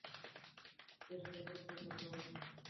চেষ্টা করতে থাকো।